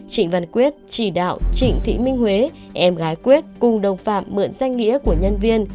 trịnh văn quyết chỉ đạo trịnh thị minh huế em gái quyết cùng đồng phạm mượn danh nghĩa của nhân viên